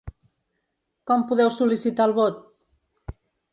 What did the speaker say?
Com podeu sol·licitar el vot?